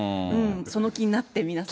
その気になって、皆さんね。